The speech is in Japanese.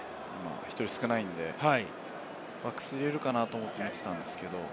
１人少ないんで、バックス入れるかな？と思って見てたんですけれども。